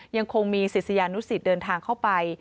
ยังคงมีศิษยานุสิตเดินทางเข้าไป